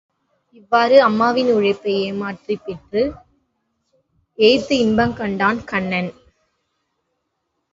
இவ்வாறு அம்மாவின் உழைப்பை ஏமாற்றிப் பெற்று, ஏய்த்து இன்பங்கண்டான் கண்ணன்.